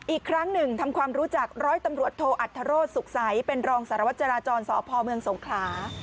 อีกครั้งหนึ่งทำความรู้จักร้อยตำรวจโทอัธโรศสุขใสเป็นรองสารวจราจรสพเมืองสงขลา